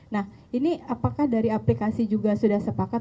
nah ini apakah dari aplikasi juga sudah sepakat